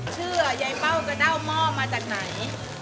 เชื่อยายเป้ากระเด้าหม้อมาจากไหน